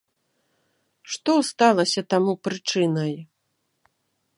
Што сталася таму прычынай?